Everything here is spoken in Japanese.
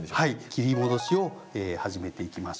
切り戻しを始めていきましょう。